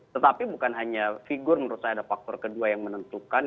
tetapi bukan hanya figur menurut saya ada faktor kedua yang menentukan